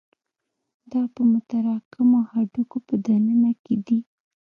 دا په متراکمو هډوکو په دننه کې دي.